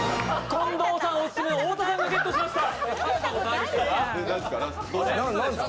近藤さんのオススメ太田さんがゲットしました。